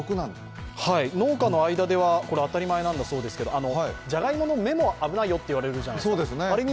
農家の間では当たり前なんだそうですけどじゃがいもの芽も危ないよって言われるじゃないですか。